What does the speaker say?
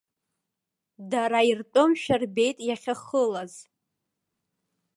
Дара иртәымшәа рбеит иахьахылаз.